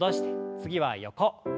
次は横。